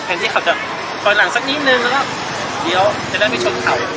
แทบเที่ยวเขาจะตอนหลังสักนิดนึงเดี๋ยวจะได้ไปชนเขา